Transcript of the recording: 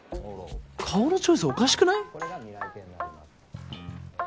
顔のチョイスおかしくない？